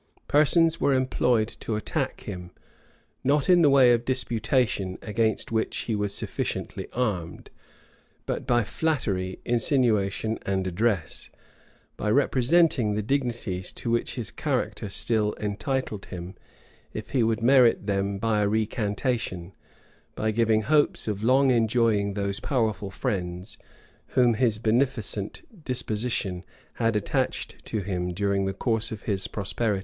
Persons were employed to attack him, not in the way of disputation, against which he was sufficiently armed, but by flattery, insinuation, and address, by representing the dignities to which his character still entitled him, if he would merit them by a recantation; by giving hopes of long enjoying those powerful friends, whom his beneficent disposition had attached to him during the course of his prosperity.